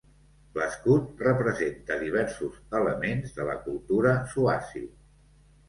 L'escut representa diversos elements de la cultura swazi.